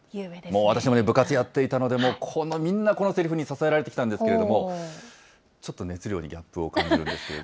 私も部活やっていたので、もうみんなこのせりふに支えられてきたんですけれども、ちょっと熱量にギャップを感じるんですけれども。